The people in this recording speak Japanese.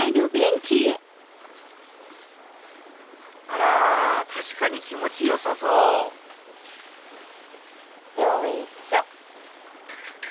あら確かに気持ちよさそうよいしょ。